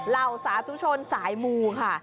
เหล่าสาธุชนสายมูค่ะ